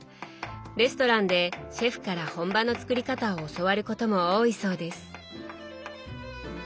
レストランでシェフから本場の作り方を教わることも多いそうです。